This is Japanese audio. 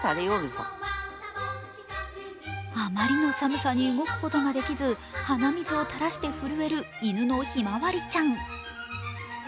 あまりの寒さに動くことができず鼻水を垂らして震える犬のひまわりちゃん。